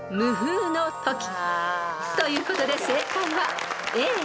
［ということで正解はＡ］